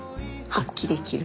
発揮できる？